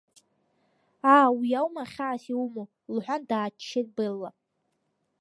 Аа, уи аума хьаас иумоу, — лҳәан, дааччеит Белла.